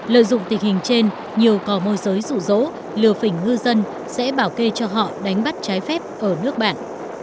lợi dụng tình hình trên nhiều cò môi giới rụ rỗ lừa phỉnh ngư dân sẽ bảo kê cho họ đánh bắt trái phép ở nước bạn